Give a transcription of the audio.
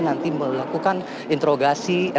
nanti melakukan introgasi